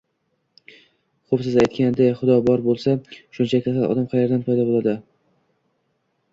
Xoʻp, siz aytganday Xudo bor boʻlsa, shuncha kasal odam qayerdan paydo boʻldi